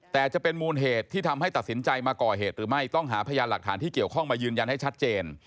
แต่จะเป็นมูลเหตุที่ทำให้ตัดสินใจมาก่อเหตุหรือไม่ต้องหาพยานหลักฐานที่เกี่ยวข้องมายืนยันให้ชัดเจน